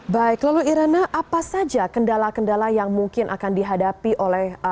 baik lalu irana apa saja kendala kendala yang mungkin akan dihadapi oleh